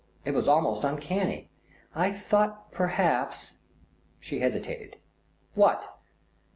It was almost uncanny. I thought perhaps " She hesitated. "What?"